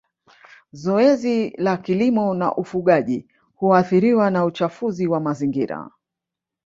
Zoezi la kilimo na ufugaji huathiriwa na uchafuzi wa mazingira